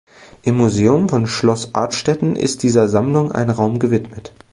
Im Museum von Schloss Artstetten ist dieser Sammlung ein Raum gewidmet.